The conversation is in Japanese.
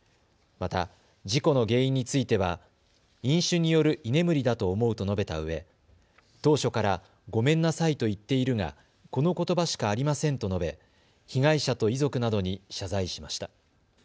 また、事故の原因については飲酒による居眠りだと思うと述べたうえ当初からごめんなさいと言っているが、このことばしかありませんと述べ被害者と遺族などに謝罪しました。